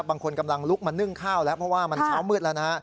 บางคนกำลังลุกมานึ่งข้าวแล้วเพราะว่ามันเช้ามืดแล้วนะฮะ